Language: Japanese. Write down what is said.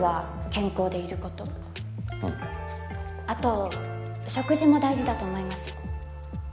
あと食事も大事だと思います。